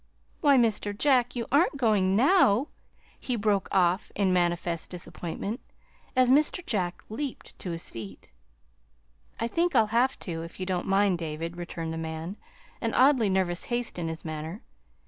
Why, Mr. Jack, you aren't going NOW!" he broke off in manifest disappointment, as Mr. Jack leaped to his feet. "I think I'll have to, if you don't mind, David," returned the man, an oddly nervous haste in his manner.